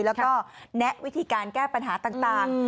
แล้วก็แนะวิธีการแก้ปัญหาต่าง